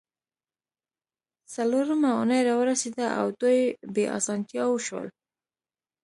څلورمه اونۍ راورسیده او دوی بې اسانتیاوو شول